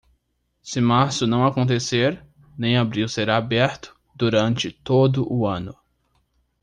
Se março não acontecer, nem abril será aberto, durante todo o ano.